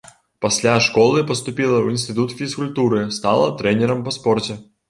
Пасля школы паступіла ў інстытут фізкультуры, стала трэнерам па спорце.